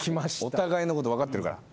お互いのこと分かってる。